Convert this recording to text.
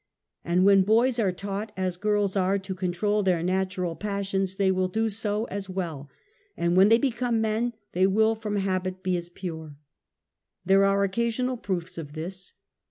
And when hoys are taught, as girls are, to control their natural passions, they will do so as well^ and when they become men they will from habit be as pure. There are occasional proofs of this.